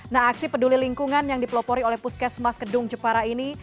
nah aksi peduli lingkungan yang dipelopori oleh puskesmas kedung jepara ini